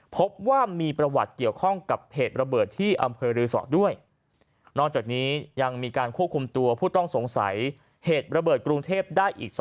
พบว่ามีประวัติเกี่ยวข้องกับเหตุระเบิดที่อำเภอรือสอด้วยนอกจากนี้ยังมีการควบคุมตัวผู้ต้องสงสัยเหตุระเบิดกรุงเทพได้อีก